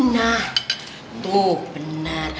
nah tuh bener